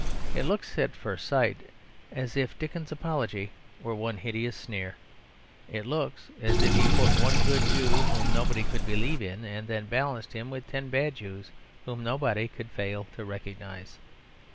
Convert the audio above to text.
It looks at first sight as if Dickens's apology were one hideous sneer. It looks as if he put in one good Jew whom nobody could believe in, and then balanced him with ten bad Jews whom nobody could fail to recognise.